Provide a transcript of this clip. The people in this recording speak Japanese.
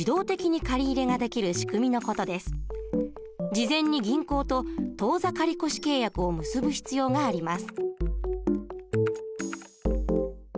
事前に銀行と当座借越契約を結ぶ必要があります。